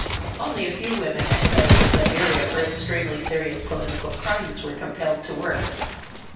(Only a few women exiled to Siberia for extremely serious political crimes were compelled to work.)